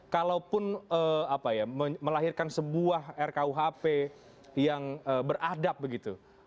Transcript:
kalaupun melahirkan sebuah rku hp yang beradab begitu